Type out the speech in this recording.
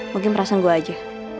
mungkin perasaan gue aja